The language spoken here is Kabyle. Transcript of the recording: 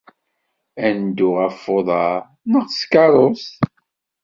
Ad neddu ɣef uḍar neɣ s tkeṛṛust?